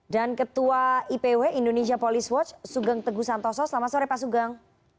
dan ketua ipw indonesia police watch sugeng teguh santoso selamat sore pak sugeng